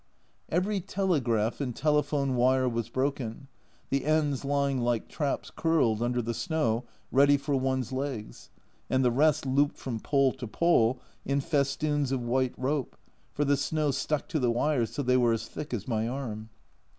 Every telegraph and telephone wire was broken, the ends lying like traps curled under the snow ready for one's legs, and the rest looped from pole to pole in festoons of white rope, for the snow stuck to the wires till they were as thick as my arm.